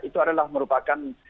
itu adalah merupakan